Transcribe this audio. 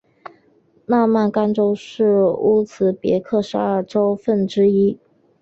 纳曼干州是乌兹别克十二个州份之一。